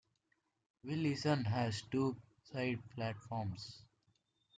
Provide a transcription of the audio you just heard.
Willison has two side platforms.